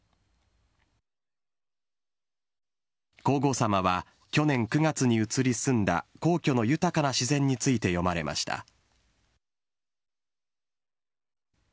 皇后さまは去年９月に移り住んだ皇居の豊かな自然について詠まれました。